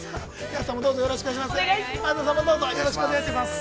安さんも、どうぞよろしくお願いします。